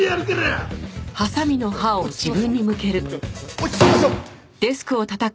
落ち着きましょう。